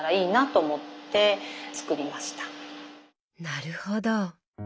なるほど。